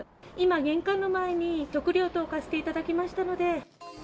今、玄関の前に食料等置かせていただきましたので。